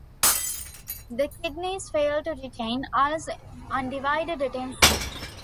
The kidneys failed to retain Al's undivided attention.